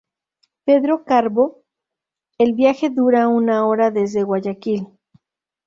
Pedro Carbo, el viaje dura una hora desde Guayaquil.